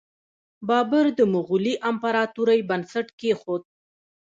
بابر د مغولي امپراتورۍ بنسټ کیښود.